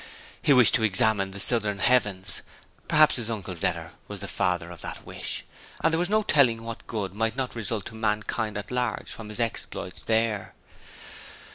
He wished to examine the southern heavens perhaps his uncle's letter was the father of the wish and there was no telling what good might not result to mankind at large from his exploits there.